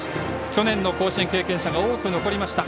去年の甲子園経験者が多く残りました。